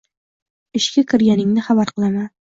Ishga kirganingni xabar qilaman